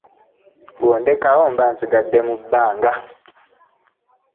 Bwondekawo mba nsigade mu banga.